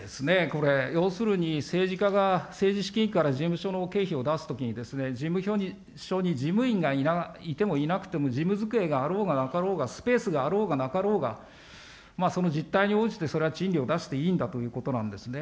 これ、要するに政治家が政治資金から事務所の経費を出すときに、事務所に事務員がいてもいなくても、事務机があろうがなかろうが、スペースがあろうがなかろうが、その実態に応じて、それは賃料を出していいんだということなんですね。